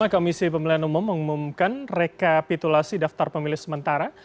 komisi pemilihan umum mengumumkan rekapitulasi daftar pemilih sementara